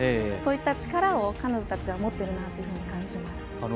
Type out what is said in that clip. そういった力を彼女たちは持っていると感じます。